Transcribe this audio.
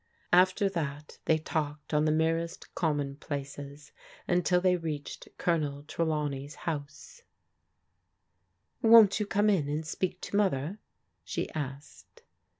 After that they talked on the merest commonplaces until they reached Colonel Trelawney's house. UNACCEPTABLE ADVICE 109 "Won't you come in and speak to Mother?*' she asked.